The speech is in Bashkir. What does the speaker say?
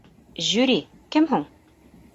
Жюри кем һуң?